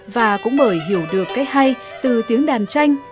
và cũng bởi hiểu được cách hay từ tiếng đàn tranh